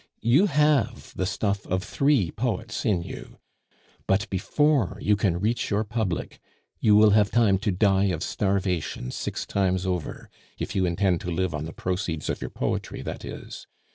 You have the stuff of three poets in you; but before you can reach your public, you will have time to die of starvation six times over, if you intend to live on the proceeds of your poetry, that is.